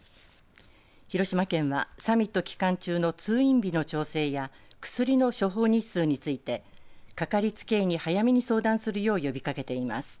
広島県はサミット期間中の通院日の調整や薬の処方日数についてかかりつけ医に早めに相談するよう呼びかけています。